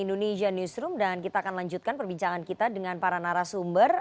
indonesia newsroom dan kita akan lanjutkan perbincangan kita dengan para narasumber